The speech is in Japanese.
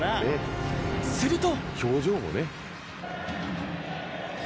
すると。